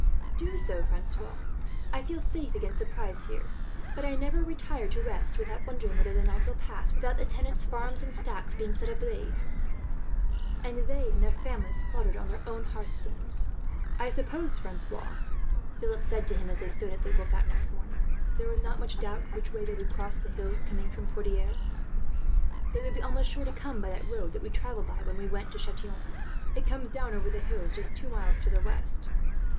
"Do so, Francois. I feel safe against surprise here; but I never retire to rest, without wondering whether the night will pass without the tenants' farms and stacks being set ablaze, and they and their families slaughtered on their own hearth stones." "I suppose, Francois," Philip said to him as they stood at the lookout, next morning, "there is not much doubt which way they would cross the hills, coming from Poitiers. They would be almost sure to come by that road that we travelled by, when we went to Chatillon. It comes down over the hills, two miles to the west.